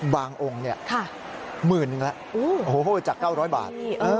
บางองค์นี้หมื่นละจาก๙๐๐บาทนะฮะโอ้โฮจาก๙๐๐บาท